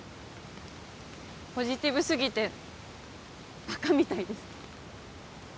ポジティブすぎてバカみたいです